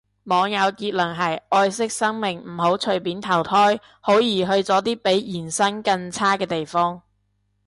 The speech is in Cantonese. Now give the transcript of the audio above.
網友結論係，愛惜生命唔好隨便投胎，好易去咗啲比現生更差嘅地方